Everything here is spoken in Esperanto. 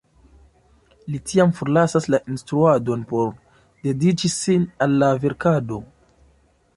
Li tiam forlasas la instruadon por dediĉi sin al la verkado.